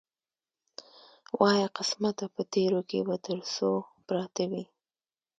وایه قسمته په تېرو کې به تر څو پراته وي.